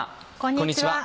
こんにちは。